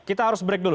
kita harus break dulu